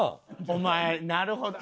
お前なるほど。